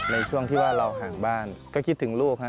ในช่วงที่ว่าเราห่างบ้านก็คิดถึงลูกฮะ